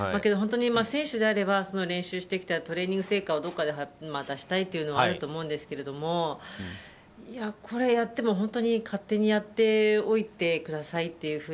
本当に選手であれば練習してきた成果をどこかで出したいというのはあると思うんですけどこれ、やっても本当に勝手にやってくださいと。